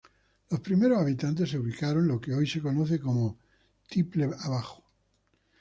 Los primeros habitantes se ubicaron en lo que hoy se conoce como Tiple Abajo.